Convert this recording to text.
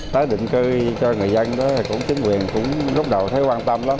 tới định cư cho người dân đó chính quyền cũng lúc đầu thấy quan tâm lắm